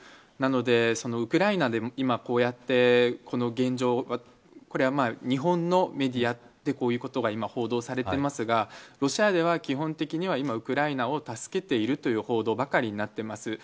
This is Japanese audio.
なのでウクライナで今こうやってこの現状これは日本のメディアでこういうことが報道されてますがロシアでは基本的にはウクライナを助けているという報道ばかりになっています。